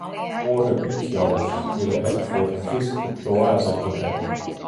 Oare útjouwers skrille ek foar Frysk proaza tebek.